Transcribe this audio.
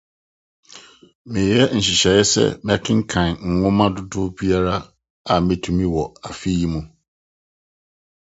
Mereyɛ nhyehyɛe sɛ mɛkenkan nhoma dodow biara a metumi wɔ afe yi mu.